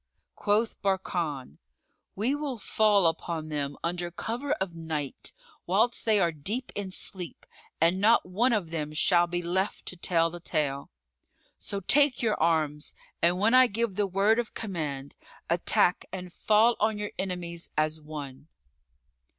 Quoth Barkan, "We will fall upon them under cover of night whilst they are deep in sleep, and not one of them shall be left to tell the tale. So take your arms and when I give the word of command, attack and fall on your enemies as one."